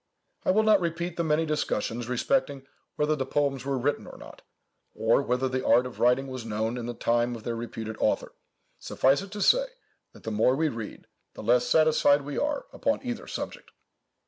I will not repeat the many discussions respecting whether the poems were written or not, or whether the art of writing was known in the time of their reputed author. Suffice it to say, that the more we read, the less satisfied we are upon either subject.